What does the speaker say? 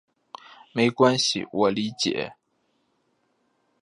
没关系，我理解。